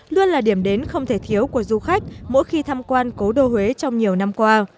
luôn là điểm đến không thể thiếu của du khách mỗi khi tham quan cố đô huế trong nhiều năm qua